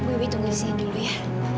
ibu tunggu di sini dulu ya